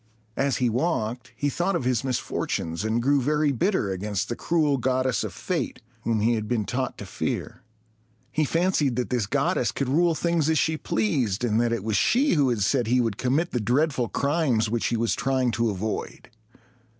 As he walked, he thought of his misfortunes, and grew very bitter against the cruel goddess of fate, whom he had been taught to fear. He fancied that this goddess could rule things as she pleased, and that it was she who had said he would commit the dreadful crimes which he was trying to avoid.